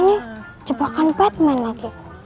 ini cebakan batman lagi